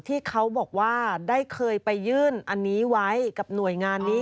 ที่เขาบอกว่าได้เคยไปยื่นอันนี้ไว้กับหน่วยงานนี้